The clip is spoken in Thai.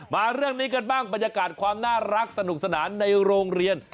มาเรื่องนี้กันบ้างบรรยากาศความน่ารักสนุกสนานในโรงเรียน